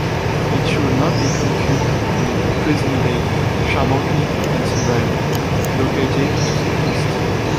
It should not be confused with present-day Shamokin, Pennsylvania, located to the east.